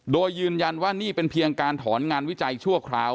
โดยยืนยันว่านี่เป็นเพียงการถอนงานวิจัยชั่วคราว